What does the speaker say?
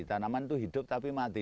tanaman itu hidup tapi mati